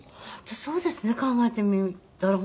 本当そうですね考えてみたら。